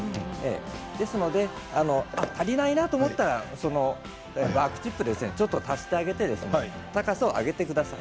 ですので足りないなと思ったらバークチップを足してあげて高さを上げてください。